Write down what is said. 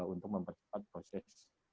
untuk mempercepat proses